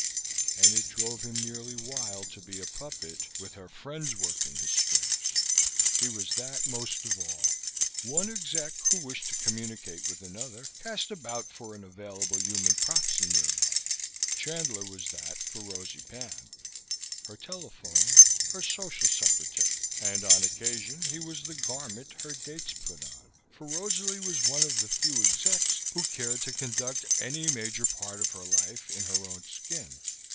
And it drove him nearly wild to be a puppet with her friends working his strings. He was that most of all. One exec who wished to communicate with another cast about for an available human proxy nearby. Chandler was that for Rosalie Pan: her telephone, her social secretary, and on occasion he was the garment her dates put on. For Rosalie was one of the few execs who cared to conduct any major part of her life in her own skin.